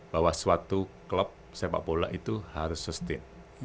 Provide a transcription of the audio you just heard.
bahwa suatu klub sepak bola itu harus sustain